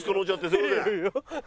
すいません。